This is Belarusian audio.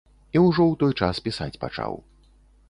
І ўжо ў той час пісаць пачаў.